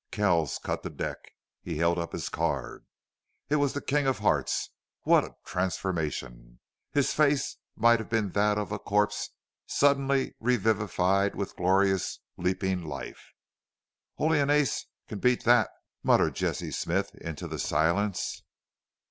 Kells cut the deck. He held up his card. It was the king of hearts. What a transformation! His face might have been that of a corpse suddenly revivified with glorious, leaping life. "Only an ace can beat thet!" muttered Jesse Smith into the silence.